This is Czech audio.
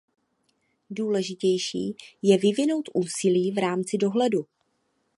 Důležitější je vyvinout úsilí v rámci dohledu.